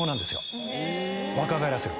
若返らせる。